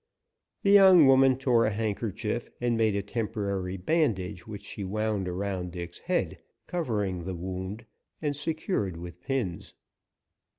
The young woman tore a handkerchief and made a temporary bandage, which she wound around Dick's head, covering the wound, and secured with pins.